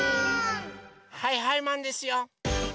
はいはいマンですよ！